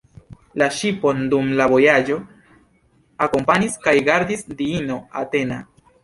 La ŝipon dum la vojaĝo akompanis kaj gardis diino Atena.